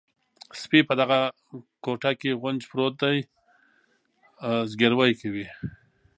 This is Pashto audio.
سپي په دغه کوټه کې غونج پروت دی او زګیروی کوي.